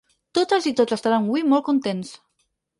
Totes i tots estaran hui molt contents.